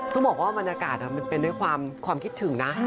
ต้องบอกว่าบรรยากาศมันเป็นด้วยความคิดถึงนะ